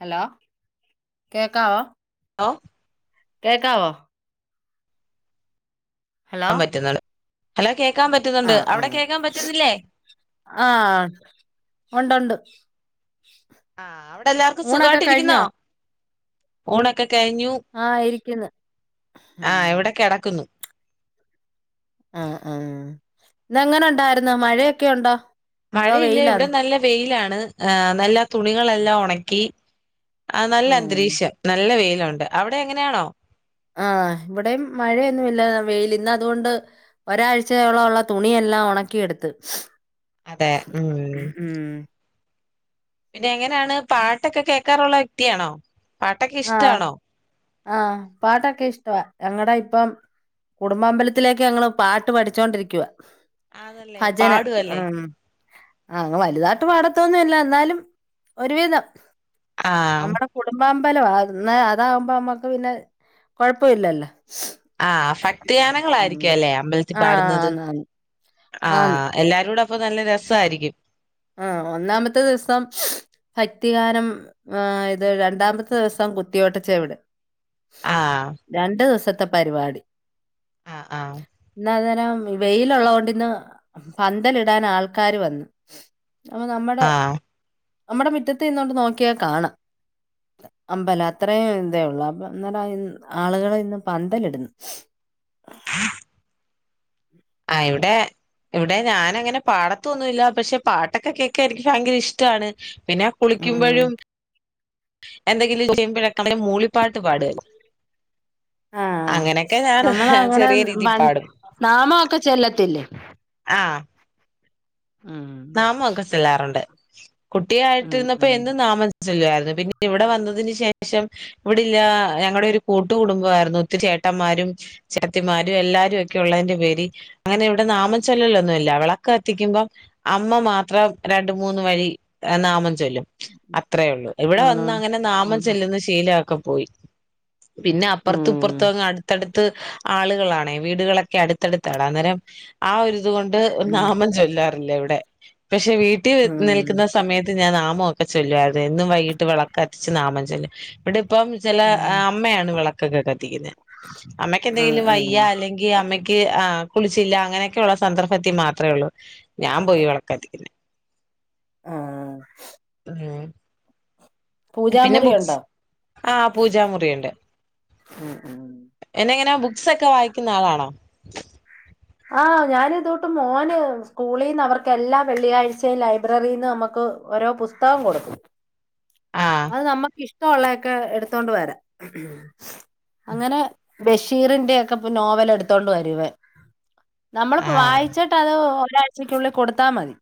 Hello കേക്കാവോ hello കേക്കാവോ ക്കാൻ പറ്റുന്നുണ്ട് ഹലോ കേ ആ ആ ആഹ് ഉണ്ട് ഉണ്ട് ആ അവിടെ എല്ലാവർക്കും ഊണൊക്കെ സുഖായിട്ടിരിക്കുന്നോ കഴിഞ്ഞോ ഊണൊക്കെ കഴിഞ്ഞു ആഹ് ഇരിക്കുന്നു ഉം ആഹ എവിടെ കിടക്കുന്നു ആ ഉം ഇെങ്ങനെ ഉണ്ടായിരുന്നു മഴയൊക്കെ ഉണ്ടോ അതോ മഴയില്ല ഇവിടെ വെയിലാന്നോ നല്ല വെയിലാണ് ആ നല്ല തുണികളെല്ലാം ഉണക്കി ആ നല്ല ആഹ് അന്തരീക്ഷം നല്ല വെയിലുണ്ട് അവിടെ എങ്ങനെയാണോ ആ് ഇവിടെയും മഴയൊന്നുമല്ല വെയിൽ ഇന്ന് അതുകൊണ്ട് ഒരാഴ്ചയോളംള്ള തുണിയല്ല ല്ലാം ഉണക്കിയെടുത്ത് അതെ ഉം പിന്നെ എങ്ങനെയാണ് പാട്ടൊക്കെ കേക്കാറുള്ള വ്യക്തിയാണോ പാട്ടൊക്കെ ആഹ ഇഷ്ടാണോ ആഹ പാട്ടൊക്കെ ഇഷ്ടവാ ഞങ്ങട ഇപ്പം കുടുംബാമ്പലത്തിലേക്ക് ഞങ്ങള്ൾ പാട്ട് പഠിച്ചൊണ്ടിരിക്കുവ ആണല്ലേ ഭജന പാടുവല്ലേ ഉം ആഹ അങ്ങ് വലുതാട്ട് പാടത്തൊന്നുംല്ല എന്നാലും ഒരുവിധം ആഹ് നമ്മുടെ കുടുംബാമ്പലം അ അതകുമ്പോ നമ്മക്ക് പിന്നെ കൊഴപ്പല്ലല്ലോ ആഹ ഭക്തയാനങ്ങളൾായിരിക്കും അല്ലേ അമ്പലത്തിൽ ആഹ് പാടുന്നത് ആന്നാന്ന് ആന്ന് ആഹ എല്ലാരും കൂട അപ്പൊ നല്ല രസായിരിക്കും ആഹ ഒന്നാമത്തെ ദിവസം ഭക്തികാനം ആ ഇത് രണ്ടാമത്തെ ദിവസം കുത്തിയോട്ടച്ചവിടെ ആഹ് രണ്ടു ദിവസത്തെ പരിപാടി ആഹ് ആഹ് എന്ന അ വെയിലുള്ളത കൊണ്ട ഇന്ന് പന്തലിടൻ ആൾക്കാാര് വന്നു അപ്പ നമ്മുടെ ആഹ് നമ്മുടെ മുറ്റത്ത് ഇന്നൊണ്ട് നോക്കിയാൽ കാണാം അമ്പല അത്രേയും ഇതേ ഉള്ളൂ അപ്പൊ എന്ത ആളുകളൾ ഇന്ന് പന്തലിടുന്നു ആ ഇവിടെ ഇവിടെ ഞാനങ്ങനെ പാടത്തൊന്നുമില്ല പക്ഷെ പാട്ടൊക്കെ കേക്കാൻ എനിക്ക് ഭയങ്കര ഇഷ്ടമാണ് പിന്നെ ഉം കുളിക്കുമ്പോഴും എന്തെങ്കിലും ചെയ്യുമ്പോഴ നമ്മെ മൂളിപ്പാട്ട് പാട ആഹ നമ്മൾങ്ങനെ ചെറിയ രീതിൽ പാടും നാമൊക്കെ ചെല്ലത്തില്ലേ ആഹ ഉം നാമൊക്കെ ചെല്ലാറുണ്ട് ഉം കുട്ടിയായിട്ടിരുന്നപ്പോ ഉം എന്ത് നാമം ചൊല്ലയിരുന്നു പിന്നെ ഇവിടെ വന്നതിന് ശേഷം ഇവിടെില്ല ഞങ്ങളടെ ഒരു കൂട്ട കുടുംബമായിരുന്നു ഒത്തിരി ചേട്ട ചേട്ടന്മാരും ചേത്തിമാരും എല്ലാരും ഒക്കെ ഉള്ളതിന്റെ പേര് അങ്ങനെ ഇവിടെ നാമച്ചൊല്ലലിലൊന്നുമല്ല വിളക്ക് എത്തിക്കുമ്പം അമ്മ മാത്രം രണ്ട മൂന്ന് വരി നാമ ചോല്ലും അത്രേള്ളു ഇവിടെ ആഹ് വന്ന് അങ്ങനെ നാമം ആഹ് ചെല്ലുന്ന ശീലൊക്കെ പോയി പിന്നെ ഉം അപ്പുറത്ത്പ്പറത്ത്ങ്ങ് അടുത്തടുത്ത് ആളുകളാണേ വീടുകളൊക്കെ അടുത്തടുത്താണ് അന്നേരം ആ ഒരു അതൊണ്ട് ഉം നാമം ചൊല്ലാറില്ലേ ഇവിടെ പക്ഷെ വീട്ടിൽ ഉം നിൽക്കുന്ന സമയത്ത് ഞാൻ നമ ഒക്കെൊല്ലു അത് എന്നും വൈകിട്ട് വിളക്കത്തിച്ച് നാമൻ ചൊല്ലും ഇവിടെ ഇപ്പം ചില ഉം അമ്മയാണ് വിളക്കൊക്കെ കത്തിക്കുന്നത് അമ്മക്ക ആഹ് എന്തെങ്കിലും വയ്യ ആഹ് അല്ലെങ്കിൽ അമ്മക്ക് ആ കുളിച്ചില്ല അങ്ങനെയൊക്കെയള്ള സന്ദർഭത്തിൽ മാത്രേള്ളൂ ഞാൻ പോയി വിളക്കത്തിക്കുന്ന ഉം [unintelligible] ഹലോ [inaudible] പിന്നെ പൂജാമുറിയുണ്ടോ ബുക്സ് ആ പൂജാമുറിണ്ട്. ഉം ഉം എന്ന എങ്ങനെ ബുക്സൊക്കെ വായിക്കുന്ന ആളാണോ ആഹ് ഞാനിതോട്ട് മോന് സ്കൂളിൽന്ന് അവർക്ക് എല്ലാം വെള്ളിയാഴ്ചയും ലൈബ്രറിന്ന് നമുക്ക് ഓരോ പുസ്തകം കൊടുക്കും ആ അത് നമ്മുക്ക് ഇഷ്ട ഇള്ളയൊക്കെ എടുത്തോണ്ട് വരാം. അങ്ങനെ ബഷീറിന്റെ ഒക്കെപ്പ നോവൽ എടുത്തോണ്ട് വരുവേ. നമ്മളപ്പോ ആ വായിച്ചിട്ട് അത് ഒരാഴ്ചയ്ക്കുള്ളിൽ കൊടുത്താ മതി.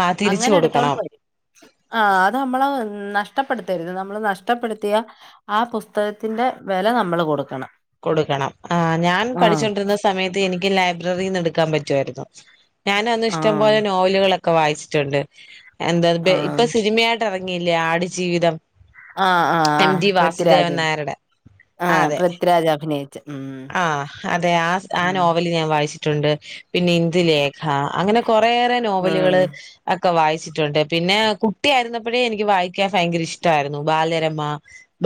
ആഹ് തിരിച്ച് കൊടുക്കണം. ആഹ് അത് നമ്മള് നഷ്ടപ്പെടുത്തരുത് നമ്മള് നഷ്ടപ്പെടുത്തിയ ആ പുസ്തകത്തിന്റെ- വെല നമ്മള് കൊടുക്കണം. കൊടുക്കണം ആഹ് ഞാൻ ആ പഠിച്ചൊണ്ടിരുന്ന സമയത്ത് എനിക്ക് ലൈബ്രറിന്ന് എടുക്കാൻ പറ്റുവായിരുന്നു. ഞാന് അന്ന് ആ ഇഷ്ടംപോലെ നോവലുകളൊക്കെ വായിച്ചിട്ടുണ്ട്. എന്താ ആ ഇപ്പൊ സിനിമയായിട്ട ഇറങ്ങിയില്ലേ ആടുജീവിതം ആഹ് ആഹ് എം ആഹ് ജി വാസുദേവൻ പൃഥ്വിരാജ് നായരുടെ ആ ആഹ് അതെ പൃഥ്വിരാജ് അഭിനയിച് ആഹ് അതെ ആ ആ ഉം നോവല് ഞാൻ വായിച്ചിട്ടുണ്ട് പിന്നെ ഇന്ദുലേഖ അങ്ങനെ കൊറെയേറെ ഉം നോവലുകള്. ഒക്കെ വായിച്ചിട്ടുണ്ട് പിന്നെ കുട്ടിയായിരുന്നപ്പഴേ എനിക്ക് വായിക്കാൻ ഭയങ്കര ഇഷ്ടായിരുന്നു ബാലരമ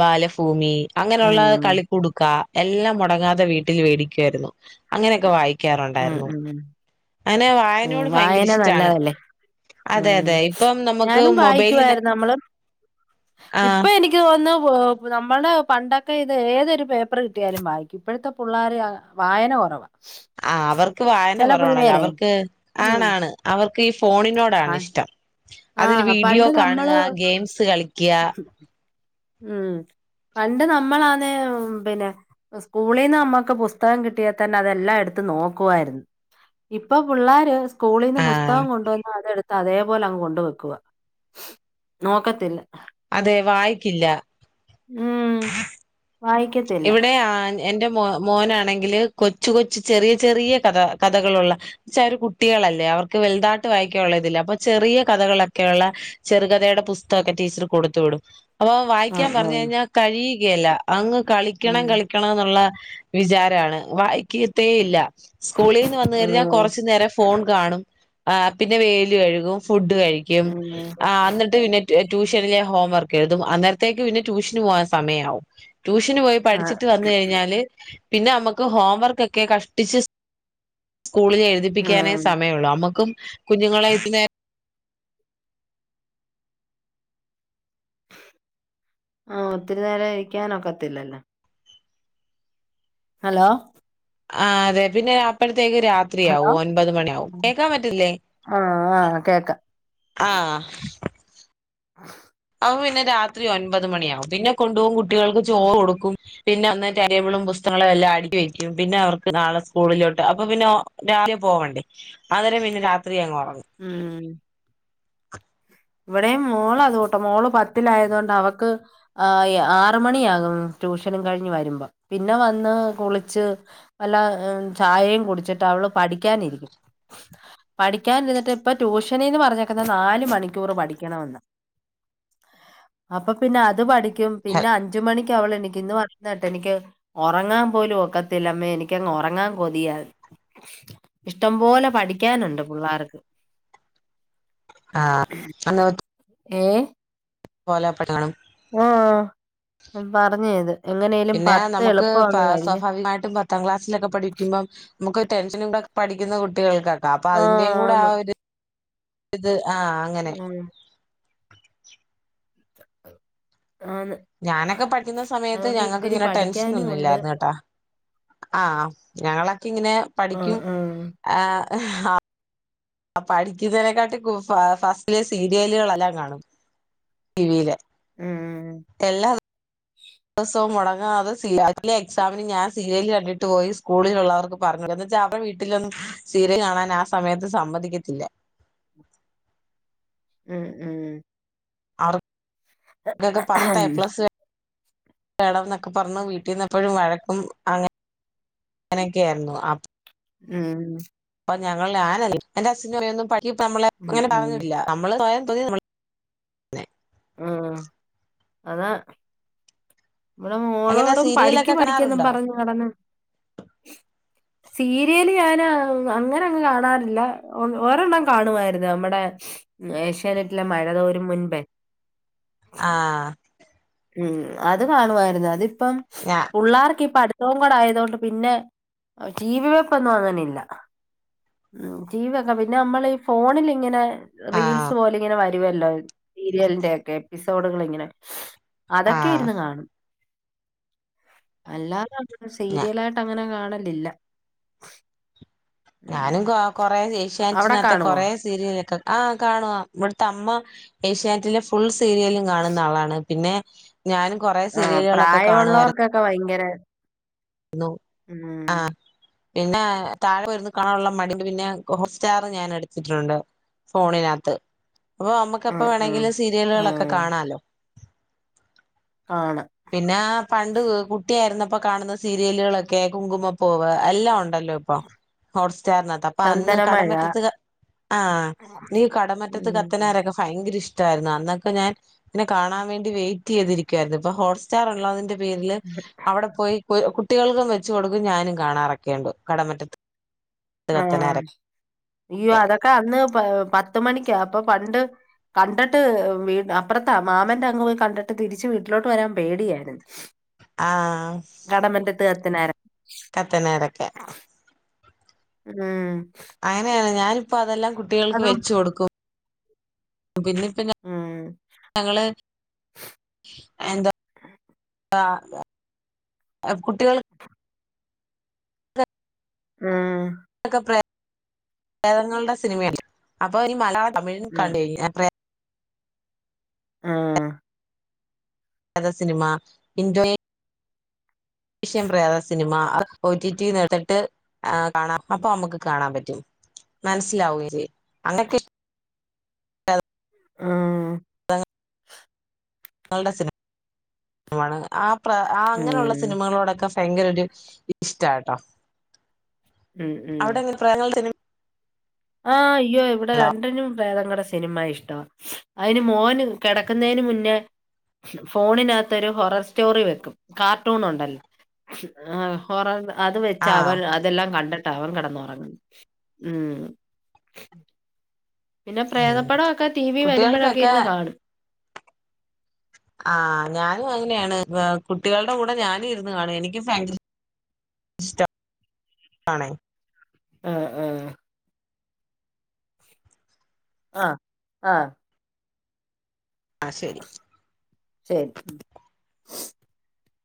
ബാലഭൂമി അങ്ങനൊള്ള ഉം കളികുടുക്ക എല്ലാം മുടങ്ങാതെ വീട്ടിൽ വേടിക്കുവായിരുന്നു. അങ്ങനെയൊക്കെ വായി- ഉം ക്കാറുണ്ടായിരുന്നു ഉം അങ്ങനെ ഉം വായനോട് ഭയങ്കര വായന ഇഷ്ടാണ്. നല്ലതല്ലേ ഉം അതെ അതെ ഇപ്പം നമുക്ക് ഞാനും മൊബൈലന് വായിക്കുവായിരുന്നു നമ്മള് ഇപ്പൊ എനിക്ക് തോന്നുന്ന് പോ നമ്മൾടെ പണ്ടക്കെ ഇത് ഏതൊരു പേപ്പർ കിട്ടിയാലും വായിക്കും, ഇപ്പോഴത്തെ പുള്ളേർ അ വായന കുറവാ. ആ അവർക്ക് വായന ചില കുറവാണല്ലോ പിള്ളേരെ അവർക്ക് ഉം ആണാണ് അവർക്ക് ഈ ഫോണിനോടാണിഷ്ടം. അതിൽ ആഹ് വീഡിയോ പണ്ട് കാണുക, നമ്മള് ഗെയിംസ് കളിക്ക്യ. ഉം പണ്ട് നമ്മൾ ആന്ന [unintelligible] പിന്നെ സ്‌കൂളിന്ന് അമ്മക്ക് പുസ്തകം കിട്ടിയാ തന്നെ അതെല്ലാം എടുത്ത [inaudible] നോക്കുവാർന്ന് ഇപ്പൊ പുള്ളാർ [unintelligible] സ്‌കൂളിന്ന് ആഹ് പുസ്തകം കൊണ്ടുവന്ന് അതെടുത്ത് അതേപോലങ് കൊണ്ട് [inaudible] വെക്കുവ നോക്കത്തില്ല അതെ വായിക്കില്ല ഉം [unintelligible] വായിക്കത്തില്ല ഇവിടെ [inaudible] ആ എന്റെ മോ മോനാണെങ്കില് കൊച്ചു കൊച്ചു ചെറിയ ചെറിയ കഥ കഥകളുള്ള ചര് കുട്ട്യ- ളല്ലേ അവർക്ക് വൽതാട്ട് വായിക്കാവുള്ള ഇതില്ല അപ്പൊ ചെറിയ കഥകളിലൊക്കെയുള്ള ചെറുകഥയുടെ പുതകംക്കെ ടീച്ച കൊടുത്തു വിടും. അപ്പൊ വായിക്കാൻ ആഹ് പറഞ്ഞ ആഹ് കഴിഞ്ഞാൽ കഴിയുകയല്ല [unintelligible] അങ്ങ് കളിക്കണം ഉം കളിക്കണം എന്നുള്ള വിചാരാണ് വായി കീത്ത ഇല്ല സ്കൂളിന്ന് വന്ന കഴിഞ്ഞാൽ ഉം കൊറച്ചു നേരം ഫോൺ കാണും. ആ പിന്നെ വേൽ കഴുകും ഫുഡ് കഴിക്കും ഉം ആ എന്നിട്ട്ന്ന ട്യൂഷനിലെ ഹോം വർക്ക് എഴുതും അന്നേരത്തേക്ക് പിന്നെ ട്യൂഷന് പോവാൻ സമയാവും ട്യൂഷന് പോയി ആഹ് പഠിച്ചിട്ട് വന്ന കഴിഞ്ഞാല് പിന്നെ അമ്മുക്ക് [unintelligible] ഹോംവർക്കൊക്കെ കഷ്ടിച്ച് [inaudible] സ്കൂളിൽ എഴുതിപ്പിക്കാനേ ഉം സമയമള്ളു അമ്മുക്കും കുഞ്ഞുങ്ങളൊയി നേര ആ ഒത്തിരി നേരം ഇരിക്കാനൊക്കത്തില്ലല്ലോ ഹലോ ആഹ് അതെ പിന്നെ അപ്പഴത്തെ [inaudible] ത്തേക്ക് ഹലോ രാത്രിയാവും ഒൻപത് മണിയ ആവും കേക്കാൻ പറ്റില്ലേ ആഹ് ആഹ് കേക്കാം ആ ഹ പിന്നെ രാത്രി ഒൻപത് മണിയകും പിന്നെ കൊണ്ടുപോകും കുട്ടികൾക്ക് ചോറ് കൊടുക്കും പിന്നെ ഒന്ന് ടൈംടേബിളും പുസ്തകങ്ങളും എല്ലാം അടുക്കി വെക്കും പിന്നെ അവർക്ക് നാളെ സ്കൂളിലോട്ട് അപ്പൊ പിന്നെ പോവണ്ടേ അന്നേരം പിന്നെ രാത്രി അങ്ങോട്ട ഉം [unintelligible] ഇവിടെയും മോള് അത് കൊണ്ട് മോള് പത്തിലായത് കൊണ്ട് അവക്ക് ആ ആറ് മണിയാകും ട്യൂഷനും കഴിഞ്ഞ് വരുമ്പോ പിന്നെ വന്ന് കുളിച്ച് വല്ല ചായയും കുടിച്ചിട്ട്, അവള്. പഠിക്കാനിരിക്കും [unintelligible] പഠിക്കാനിരിട്ട് ഇപ്പൊ ട്യൂഷനീന്ന് പറഞ്ഞേക്കുന്ന നാലു മണിക്കൂ മണിക്കൂർ പഠിക്കണമെന്ന് അപ്പം പിന്നെ അത് പഠിക്കും, ഹെ പിന്നെ അഞ്ച് മണിക്ക് എ അവള് എനിക്ക് ഇന്ന് പറയുന്ന കേട്ട് എനിക്ക് ഉറങ്ങാൻ പോലും ഓക്കത്തില്ലമ്മേ, എനിക്കങ്ങ് ഉറങ്ങാൻ കൊതിയ ഇഷ്ടംപോലെ പഠിക്കാനുണ്ട് പുള്ളാര്ക്ക് ആ, അ [unintelligible] [unintelligible] ആ പറഞ്ഞത് എങ്ങനെലും പിന്നെ പത്ത് നമുക്ക് എളുപ്പം അങ്ങ് കഴിഞ്ഞ് സ്വാഭാവികമായിട്ടും പത്താം ക്ലാസ്സിലൊക്കെ പഠിക്കുമ്പം നമുക്ക് ടെൻഷൻ കൂടെ പഠിക്കുന്ന കുട്ടികൾകാട്ട അപ്പൊ അതിന്റെയും കൂടെ ആ ആന്ന് ഒരു ഇത് ആ അങ്ങനാ അ ഞാനൊക്കെ പഠിക്കുന്ന സമയത്ത് ഞങ്ങക്ക് ഒത്തിരി ഇങ്ങനെ ടെൻഷൻ പഠിക്കാനും ഒന്നും ഉണ്ട് ഇല്ലായിര്ന്ന് കേട്ടാ. ആ, ഞങ്ങളൊക്കെ ഇങ്ങനെ ആഹ് പഠിക്കും ആഹ് ആ ആ പഠിക്കുന്നതിനെക്കാട്ടി ഫ ഫസ്റ്റില് സീരിയലുകളെല്ലാം കാണും. ടിവിയില് ഉം എല്ല ദിവസവും മുടങ്ങാതെ സി ആദ്യത്തെ എക്സാമിന് ഞാൻ സിരിയൽ കണ്ടിട്ട് പോയി സ്കൂളിലു ഉുള്ളവർക്ക് പറഞ്ഞുന്ന അവരുടെ വീട്ടിലൊന്നും സീരയൽ കാണാൻ ആ സമയത്ത് സമ്മതിക്കത്തില്ല. [unintelligible] ഉം ഉം അവർക്കൊക്കെ പത്ത് എ പ്ലസ് വേണംഎന്നൊക്കെ പറഞ്ഞു വീട്ടിന്നെപ്പോഴും വഴക്കും അങ്ങനെ അങ്ങനൊക്കെ ആയിരുന്നു ഉം അ ഞങ്ങളൾ ഞാനല്ല എന്റെ അച്ഛനും അമ്മേം ഒന്നും പിന്നെ നമ്മളെ ഉം ഇങ്ങനെ ഉം പറഞ്ഞിട്ടില്ല, നമ്മള് സ്വയം [unintelligible] ആ അതാ ഇമ്മടെ അങ്ങനെ മോളോടും സീരിയലൊക്കെ പഠിക്കും പഠിക്കന്നും കാണാറുണ്ടോ പറഞ്ഞു നട സീരിയല് ഞാാന് അങ്ങനെ അങ്ങ് കാണാറില്ല ഒരെണ്ണം കാണുവായിരുന്നു നമ്മടെ ഏഷ്യാനെറ്റിലെ മഴ തോരും മുൻപേ ആ ഉം, അത് കാണുവായിരുന്നു അതിപ്പം ഞാ പു ള്ളാർക്ക് ഈ പാട്ട പുസ്തകവും കൂടെ ആയതൊണ്ട് പിന്നെ ടീവിവെപ്പൊന്നും അങ്ങനില്ല. ടിവി ഒക്കെ പിന്നെ നമ്മൾ ഈ ഫോണിൽ ഇങ്ങനെ റീൽസ് ആഹ് പോലെ ഇങ്ങനെ വ വരുവല്ലോ, സീരിയലിന്റെക്കെ എപ്പിസോഡുകൾ ഇങ്ങനെ, അതൊക്കെ ആഹ് ഇരുന്നു കാണും. അല്ലാതെ ഞ സീരിയല ആയിട്ട് അങ്ങനെ കാണ കാണലില്ല ഉം ഞാനും കൊ കൊറെ അവിടെ ഏഷ്യാനറ്റിനകത്ത് കാണുവോ കൊറെ സീരിയലൊക്കെ ആഹ് കാണും ഇവിടുത്തെ അമ്മ ഏഷ്യാനെറ്റിലെ ഫുൾ സീരിയലും കാണുന്ന ആളാണ് പിന്നെ ഞാനും കുറെ ആ സീരിയലുകളൊക്കെ കാണുമായിരുന്നു പ്രായമുള്ളവർക്കൊക്കെ [unintelligible] ഉം ആ. പിന്നെ താഴെ വരുന്ന കാണാനുള്ള മടിന്റെ പിന്നെ ഹോട്ട്സ്റ്റാർ ഞാൻ എടുത്തിട്ടുണ്ട്. ഫോണിനകത്ത് അപ്പൊ നമ്മുക്ക് എപ്പ ഉം ഉം വേണെങ്കിലും സീരിയലുകളൊക്കെ ഉം കാണാലോ. കാണാം പിന്നെ പണ്ട് കുട്ടിയായിരുന്നപ്പൊ കാണുന്നത് സീരിയലുകളൊക്കെ കുങ്കുമ്മപൂവ് എല്ലാം ഉണ്ടല്ലോ ഇപ്പൊ. അപ്പൊ അന്ന് ചന്ദനമഴ കടംമ്പറ്റത്ത് ആ എനിക്ക് കടമറ്റത്ത് ഉം കത്തനാരൊക്കെ ഭയങ്കര ഇഷ്ട യിരുന്നു അന്നൊക്കെ ഞാൻ ഇതിനെ കാണാൻ വേണ്ടി വെയിറ്റ് ചെയ്തിരിക്കുവായിരുന്നു ഇപ്പൊ ഹോട്ട്റ്റാർ ഉള്ളതിന്റെ പേരില് അവിടെ പോയി കുട്ടികൾക്കും വെച്ച് കൊടുക്കും ഞാനും കാണാറൊക്കെയുണ്ട് കടമറ്റത്ത് ആ കത്തനാരൊക്കെ അയ്യോ അതൊക്കെ അന്ന് പത്ത് മണിക്കാ അപ്പൊ പണ്ട് കണ്ടിട്ട് അപ്പുറത്താ മാമന്റെ അംങ് പോയി കണ്ടിട്ട് തിരിച്ച് വീട്ടിലോട്ട് വരാൻ പേടി ടിയാണ്. ആ. കത്തനാർ. കത്തനരൊക്കെ ഉം. അങ്ങനെയാണ് ഞാനിപ്പോ അതെല്ലാം കുട്ടികൾക്ക് അതും വെച്ച് കൊടുക്കും. പിന്നെപ്പ ഉം ഞങ്ങള് എന്താ ആ കുട്ടികൾ ഉം. പ്രേദങ്ങളുടെ സിനിമയല്ല അപ്പൊ ഇനി മലയാളം തമിഴ ഉം [unintelligible] ആ. സിനിമ [unintelligible] വിഷയം പ്രേത സിനിമ. ഒ ടിടി നേർത്തിട്ട് കാണാം അപ്പൊ നമ്മുക്ക് കാണാൻ പറ്റും. മനസ്സിലാവേ ചെയ്യും [unintelligible] ആ. [unintelligible] ആ പ്ര ഉം അങ്ങനെയുള്ള സിനിമകളോടൊക്കെ ഭയങ്കര ഒരു ഇഷ്ടാട്ടോ ഉം ഉം അവിടെ [unintelligible] ആ അയ്യോ ഇവിടെ സിനിമയുണ്ടോ രണ്ടിനും പ്രേതങ്ങളടെ സിനിമ ഇഷ്ടവാ. അതിന് മോന് കിടക്കുന്നതിന് മുന്നേ ഫോണിനകത്ത് ഒരു ഹൊറർ സ്റ്റോറി വെക്കും കാർട്ടൂൺ ഉണ്ടല്ലോ. ആ ഹൊറർ അത് വെച്ച് ആഹ് അവൻ അതെല്ലാം കണ്ടിട്ട് അവൻ കിടന്നുറങ്ങുന്നു ഉം. പിന്നെ ഉം പ്രേതപ്പടമൊക്കെ ടി വി വരുമ്പോഴൊക്കെ കുട്ടികൾക്കൊക്കെ ഇരുന്ന് കാണും. ആ ഞാനും അങ്ങനെയാണ് കുട്ടികളുടെ കൂടെ ഞാനും ഇരുന്ന് കാണും എനിക്കും [unintelligible] ഇഷ്ടം ആണേ ആ ആ. ആ ആ. ആ ശരി. ശരി.